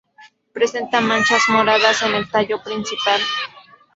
Presenta manchas moradas en el tallo principal.